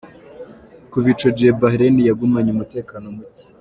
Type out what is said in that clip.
Kuva ico gihe Bahraine yagumanye umutekano muke.